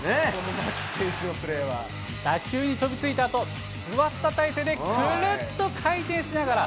打球に飛びついたあと、座った体勢でくるっと回転しながら。